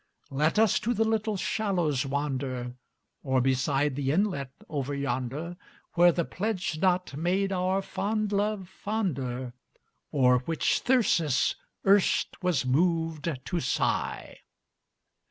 Let us to the little shallows wander, Or beside the inlet over yonder, Where the pledge knot made our fond love fonder, O'er which Thyrsis erst was moved to sigh.